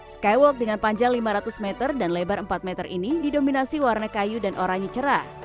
skywalk dengan panjang lima ratus meter dan lebar empat meter ini didominasi warna kayu dan oranye cerah